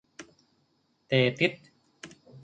เต-ติ๊ด !